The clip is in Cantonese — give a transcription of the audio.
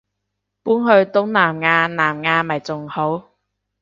搬去東南亞南亞咪仲好